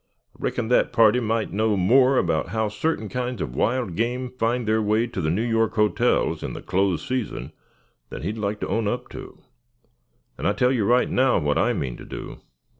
Reckon that party might know more about how certain kinds of wild game find their way to the New York hotels in the close season, than he'd like to own up to. And I tell you right now what I mean to do."